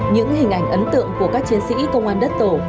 những hình ảnh ấn tượng của các chiến sĩ công an đất tổ